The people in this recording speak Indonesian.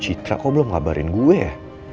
citra kau belum ngabarin gue ya